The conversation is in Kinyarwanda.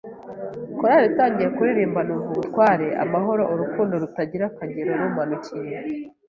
Korari itangiye kuririmba numva ubutware, amahoro, urukundo rutagira akagero rumanukiye,